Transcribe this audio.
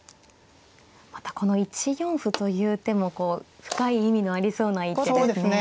またこの１四歩という手も深い意味のありそうな一手ですね。